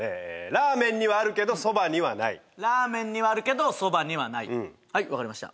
ラーメンにはあるけどそばにはないラーメンにはあるけどそばにはないはい分かりました